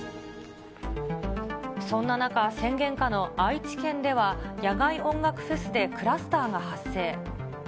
そんな中、宣言下の愛知県では、野外音楽フェスでクラスターが発生。